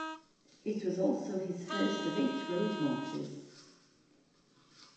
It was also his first of eight roadmarches.